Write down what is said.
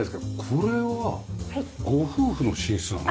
これはご夫婦の寝室なの？